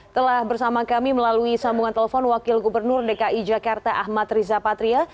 telah bersama kami melalui sambungan telepon wakil gubernur dki jakarta ahmad riza patria